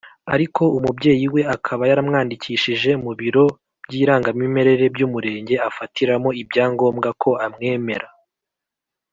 ariko umubyeyi we akaba yaramwandikishije mu biro by’irangamimerere by’umurenge afatiramo ibyangombwa ko amwemera,